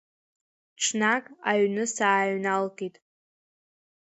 Ҽнак аҩны сааҩналкит…